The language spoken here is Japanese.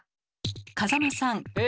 風間さん。え！